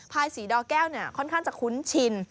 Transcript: พลายศรีดอแก้วเนี่ยค่อนข้างจะคุ้นชิน